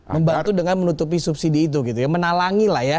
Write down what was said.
membantu dengan menutupi subsidi itu gitu ya menalangi lah ya